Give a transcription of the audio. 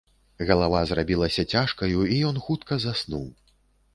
Галава зрабілася цяжкаю, і ён хутка заснуў.